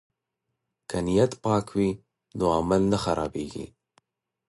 که نیت پاک وي نو عمل نه خرابیږي.